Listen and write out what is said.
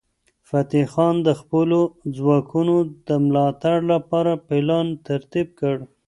فتح خان د خپلو ځواکونو د ملاتړ لپاره پلان ترتیب کړ.